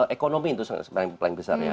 ekonomi itu paling besar ya